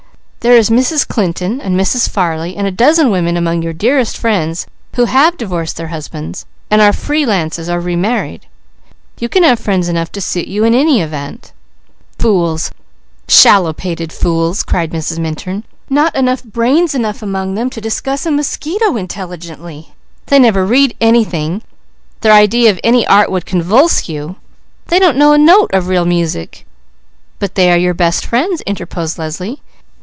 There is Mrs. Clinton and Mrs. Farley, and a dozen women among your dearest friends who have divorced their husbands, and are free lances or remarried; you can have friends enough to suit you in any event." "Fools! Shallow pated fools!" cried Mrs. Minturn. "They never read anything! Their idea of any art would convulse you! They don't know a note of real music!" "But they are your best friends," interposed Leslie.